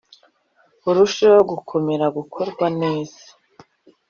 burusheho gukomera gukorwa neza